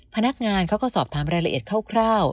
พนักงานเขาก็สอบถามรายละเอียดคร่าว